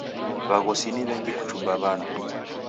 W'aghosi ni w'engi kuchumba w'ana.